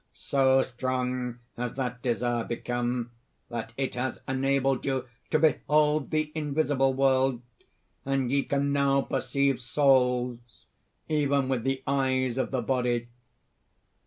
So strong has that desire become that it has enabled you to behold the invisible world; and ye can now perceive souls even with the eyes of the body!"